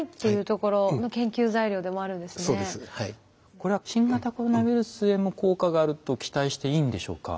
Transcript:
これは新型コロナウイルスへも効果があると期待していいんでしょうか？